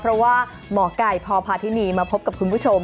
เพราะว่าหมอไก่พพาธินีมาพบกับคุณผู้ชม